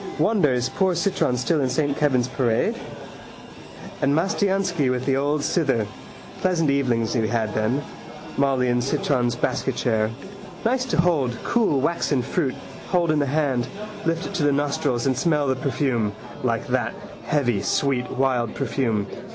Wonder is poor Citron still in Saint Kevin's parade. And Mastiansky with the old cither. Pleasant evenings we had then. Molly in Citron's basketchair. Nice to hold, cool waxen fruit, hold in the hand, lift it to the nostrils and smell the perfume. Like that, heavy, sweet, wild perfume.